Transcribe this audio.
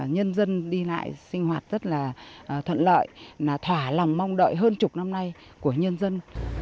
nhân dân đi lại sinh hoạt rất là thuận lợi là thỏa lòng mong đợi hơn chục năm nay của nhân dân